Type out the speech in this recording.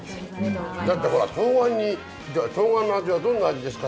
だってほら「とうがんの味はどんな味ですか？」